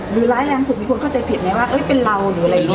หรือระแวงสุดมีคนเข้าใจผิดไหมว่าเป็นเราหรืออะไรอีก